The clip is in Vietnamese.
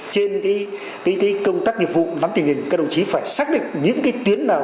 trên cái công tác nhiệm vụ lắm tình hình các đồng chí phải xác định những cái tiến nào